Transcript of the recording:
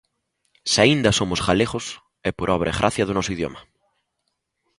Se ainda somos galegos, é por obra e gracia do noso idioma